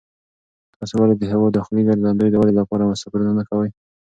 تاسې ولې د هېواد د داخلي ګرځندوی د ودې لپاره سفرونه نه کوئ؟